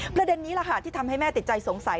ประเด็นนี้แหละค่ะที่ทำให้แม่ติดใจสงสัย